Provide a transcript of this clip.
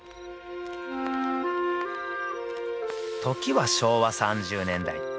［時は昭和３０年代］